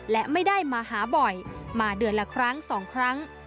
และไม่ได้มาหาบ่อยมาเดือนละครั้ง๒ครั้ง